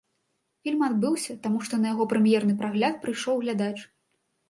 Фільм адбыўся, таму што на яго прэм'ерны прагляд прыйшоў глядач.